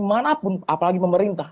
mana pun apalagi pemerintah